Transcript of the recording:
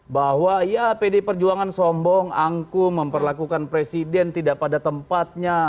bahwa ya pdi perjuangan sombong angkum memperlakukan presiden tidak pada tempatnya